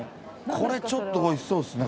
これちょっとおいしそうっすね。